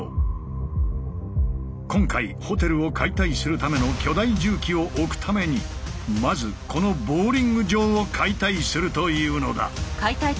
今回ホテルを解体するための巨大重機を置くためにまずこのボウリング場を解体するというのだ。